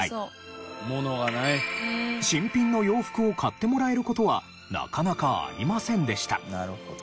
新品の洋服を買ってもらえる事はなかなかありませんでした。